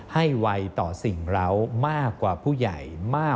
ให้วัยต่อสิ่งเรามากกว่าผู้ใหญ่